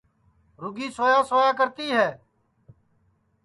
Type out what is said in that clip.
رُگی سویا سویا کرتی ہے